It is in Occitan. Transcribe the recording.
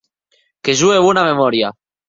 Que jo è bona memòria.